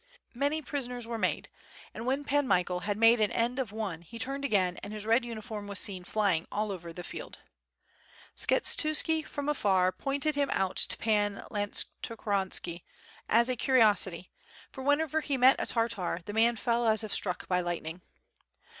Many prisoners were made and when Pan Michael had made an end of one he turned again and his red uniform was seen flying all ovet the field. Skshetuski from afar pointed him out to Pan Lantskoronski as a curiosity, for whenever he met a Tartar, the man fell as if struck by lightning.